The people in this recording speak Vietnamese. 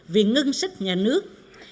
về ngân sách nhà nước